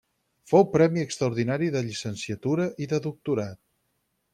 Fou Premi extraordinari de llicenciatura i de doctorat.